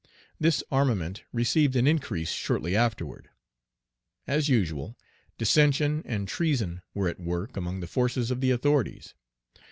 This armament received an increase shortly afterward. As usual, dissension and treason were at work among the forces of the authorities.